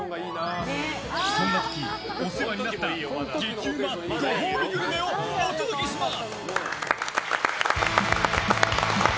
そんな時、お世話になった激うまご褒美グルメをお届けします。